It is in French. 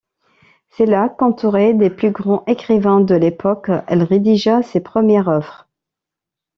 C’est là, qu’entourée des plus grands écrivains de l’époque, elle rédigea ses premières œuvres.